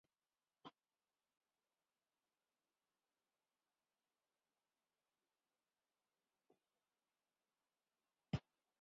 Zerbitzua arratsaldeko lehenengo orduan hasiko da, behin inaugurazio-ekitaldia amaituta.